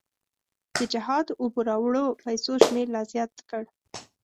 د جهاد اوبو راوړو پیسو شمېر لا زیات کړ.